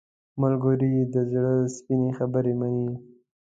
ملګری د زړه سپینې خبرې مني